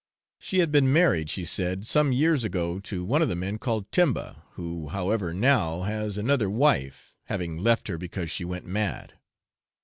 She had been married, she said, some years ago to one of the men called Temba, who however now has another wife, having left her because she went mad.